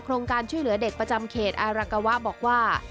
โรงการช่วยเหลือเด็กประจำเขตอารกวะบอกว่า